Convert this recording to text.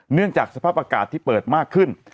เนื่องจากสภาพอากาศที่เปิดมากขึ้น